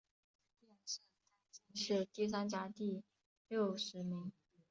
殿试登进士第三甲第六十名。